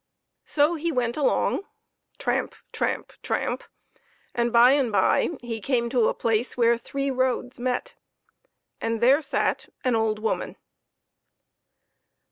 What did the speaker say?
So he went along, tramp ! tramp ! tramp ! and by and by he came to a place where three roads met, and there sat an old woman.